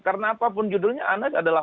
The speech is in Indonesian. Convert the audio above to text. karena apapun judulnya anak adalah